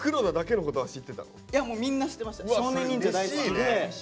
いやみんな知ってました。